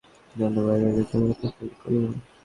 ধন্যবাদ আর যদি আমি এতে ফেল করি তবে?